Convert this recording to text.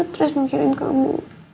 aku stres mengkirin kamu